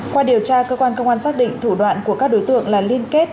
qua điều tra cơ quan công an xác định thủ đoạn của các đối tượng là liên kết